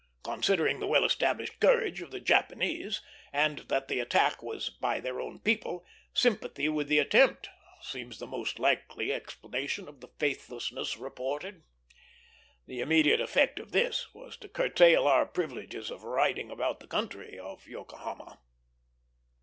Considering the well established courage of the Japanese, and that the attack was by their own people, sympathy with the attempt seems the most likely explanation of the faithlessness reported. The immediate effect of this was to curtail our privileges of riding about the country of Yokohama.